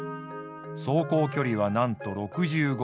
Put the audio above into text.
走行距離はなんと６５ｋｍ。